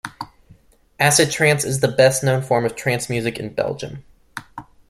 Acid trance is the best known form of trance music in Belgium.